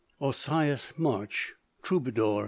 Ausias March, Troubadour.